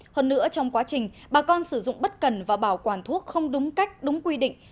hơn nữa trong quá trình bà con sử dụng bất cần và bảo quản thuốc không đúng cách đúng quy định